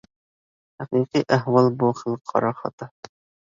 ھەقىقىي ئەھۋال: بۇ خىل قارا خاتا.